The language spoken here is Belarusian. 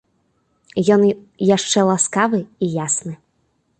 Ён яшчэ ласкавы і ясны.